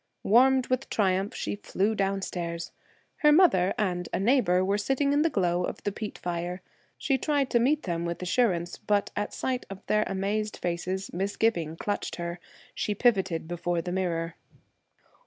Warmed with triumph, she flew downstairs. Her mother and a neighbor were sitting in the glow of the peat fire. She tried to meet them with assurance, but at sight of their amazed faces, misgiving clutched her. She pivoted before the mirror.